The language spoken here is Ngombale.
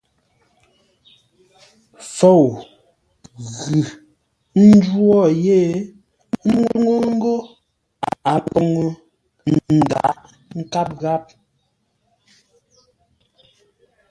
Fou ghʉ ńjwó yé, ə́ ntúŋú ńgó a poŋə ńdǎghʼ nkâp gháp.